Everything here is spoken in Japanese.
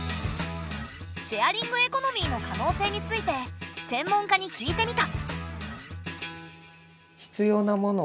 シェアリングエコノミーの可能性について専門家に聞いてみた。